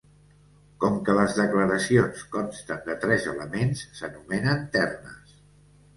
Com que les declaracions consten de tres elements s'anomenen ternes.